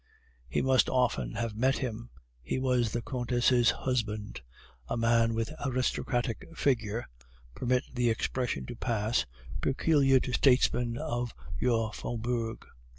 You must often have met him, he was the Countess' husband, a man with the aristocratic figure (permit the expression to pass) peculiar to statesmen of your faubourg.